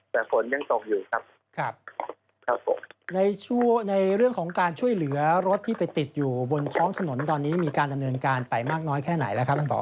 แต่ฝนยังตกอยู่ครับครับผมในช่วงในเรื่องของการช่วยเหลือรถที่ไปติดอยู่บนท้องถนนตอนนี้มีการดำเนินการไปมากน้อยแค่ไหนแล้วครับ